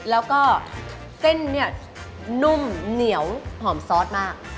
แล้วก็เส้นเนี่ยนุ่มเหนียวหอมซอสมาก